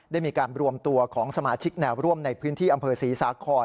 ได้มีการรวมตัวของสมาชิกแนวร่วมในพื้นที่อำเภอศรีสาคร